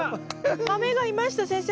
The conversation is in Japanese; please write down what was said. マメがいました先生。